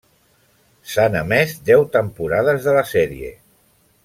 S'han emès deu temporades de la sèrie.